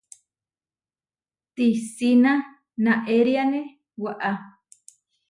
Tisína naériane waʼá.